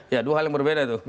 ya dua hal yang berbeda tuh